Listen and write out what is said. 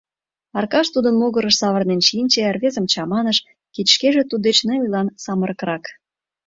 Аркаш тудын могырыш савырнен шинче, рвезым чаманыш, кеч шкеже туддеч ныл ийлан самырыкрак.